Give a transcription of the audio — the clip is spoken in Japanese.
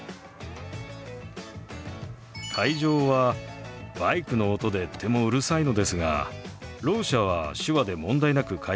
会場はバイクの音でとてもうるさいのですがろう者は手話で問題なく会話ができます。